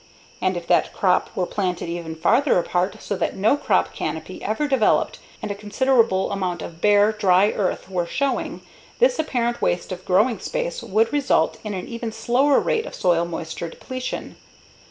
And if that crop were planted even farther apart so that no crop canopy ever developed and a considerable amount of bare, dry earth were showing, this apparent waste of growing space would result in an even slower rate of soil moisture depletion.